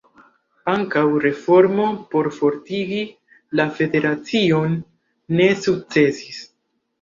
Ankaŭ reformo por fortigi la federacion ne sukcesis.